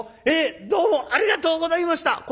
ええどうもありがとうございました」。